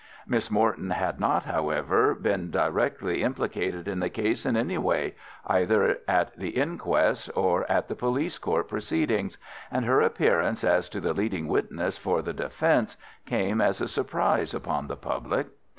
Miss Morton had not, however, been directly implicated in the case in any way, either at the inquest or at the police court proceedings, and her appearance as the leading witness for the defence came as a surprise upon the public.